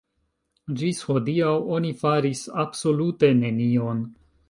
Ĝis hodiaŭ oni faris absolute nenion.